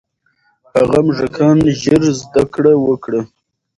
هغه موږکان ژر زده کړه وکړه.